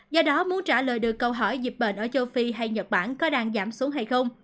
do đó muốn trả lời được câu hỏi dịch bệnh ở châu phi hay nhật bản có đang giảm xuống hay không